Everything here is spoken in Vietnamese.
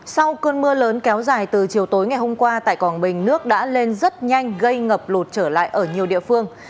sau cơn mưa lớn kéo dài từ chiều tối ngày hôm qua tại quảng bình nước đã lên rất nhanh gây ngập lụt trở lại ở nhiều địa phương